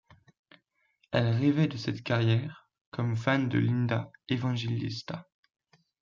Elle rêvait de cette carrière comme fan de Linda Evangelista.